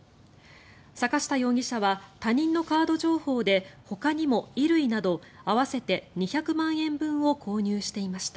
坂下容疑者は他人のカード情報でほかにも衣類など合わせて２００万円分を購入していました。